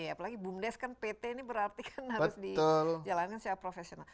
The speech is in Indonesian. apalagi bumdes kan pt ini berarti kan harus dijalankan secara profesional